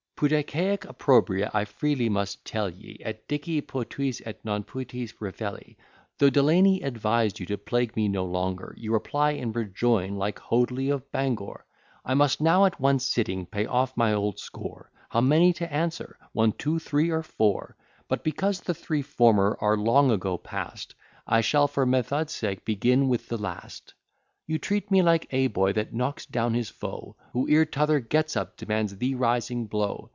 Pudet haec opprobria, I freely must tell ye, Et dici potuisse, et non potuisse refelli. Though Delany advised you to plague me no longer, You reply and rejoin like Hoadly of Bangor; I must now, at one sitting, pay off my old score; How many to answer? One, two, three, or four, But, because the three former are long ago past, I shall, for method sake, begin with the last. You treat me like a boy that knocks down his foe, Who, ere t'other gets up, demands the rising blow.